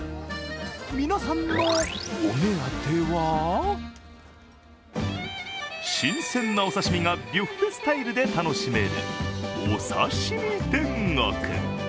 皆さんのお目当ては、新鮮なお刺身がビュッフェスタイルで楽しめるおさしみ天国。